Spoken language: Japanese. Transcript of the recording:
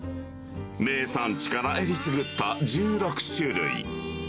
名産地からえりすぐった１６種類。